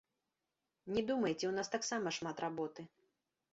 Не думайце, у нас таксама шмат работы.